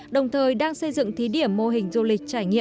đồng thời đang xây dựng thí điểm mô hình du lịch trải nghiệm